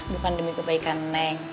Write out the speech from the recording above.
bukan demi kebaikan neng